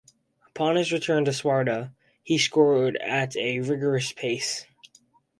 Upon his return to Sparta, he scored at a rigorous pace.